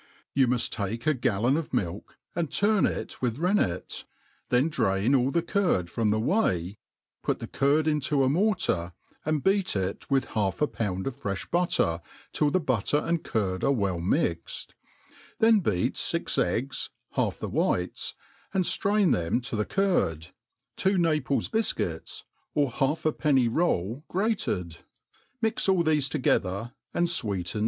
YOtI muft take a gallon of milk, and turn it with rennet, then dram all the curd from the whey,^ put the curd into » mortar, and heat it with half a pound of frcih butter till the but ter and curd are well mixed \ then beat fix eggs, half the whites, and ftrainthtn to the curd^two Naples bifcuits, or halfa penny roil iii T*HE Akt OP (SOOKERV roll grated ; mix all ttefe together, and fweeteh